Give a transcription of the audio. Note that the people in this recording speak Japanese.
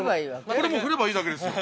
◆これ、もう振ればいいだけですよ。